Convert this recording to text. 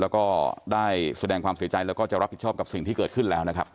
แล้วก็ได้แสดงความเสียใจแล้วก็จะรับผิดชอบกับสิ่งที่เกิดขึ้นแล้วนะครับ